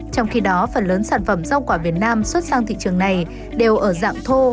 trong khi đó phần lớn sản phẩm rau quả việt nam xuất sang thị trường này đều ở dạng thô